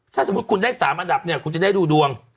ถ้าสมมุติคุณได้๓อันดับเนี่ยคุณจะได้ดูดวง